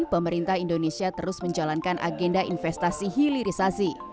pemerintah indonesia terus menjalankan agenda investasi hilirisasi